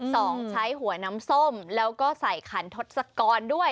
ใช้หัวน้ำส้มแล้วก็ใส่ขันทศกรด้วย